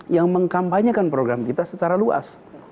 yang mengkampanyekan program kita secara luas